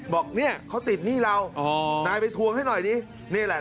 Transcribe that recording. บอกเนี่ยเขาติดหนี้เรานายไปทวงให้หน่อยดินี่แหละ